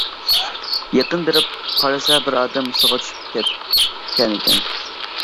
يېقىن بېرىپ قارىسا بىر ئادەم سۇغا چۈشۈپ كەتكەنىكەن.